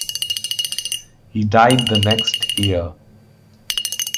He died the next year.